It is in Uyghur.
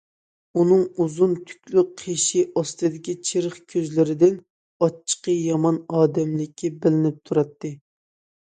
ئۇنىڭ ئۇزۇن تۈكلۈك قېشى ئاستىدىكى چېقىر كۆزلىرىدىن ئاچچىقى يامان ئادەملىكى بىلىنىپ تۇراتتى.